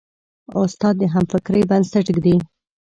استاد د همفکرۍ بنسټ ږدي.